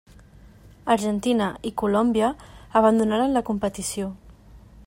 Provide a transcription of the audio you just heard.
Argentina, i Colòmbia abandonaren la competició.